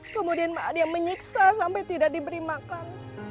kemudian ada yang menyiksa sampai tidak diberi makan